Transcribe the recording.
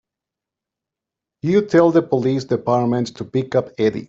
You tell the police department to pick up Eddie.